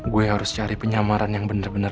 gue harus cari penyamaran yang benar benar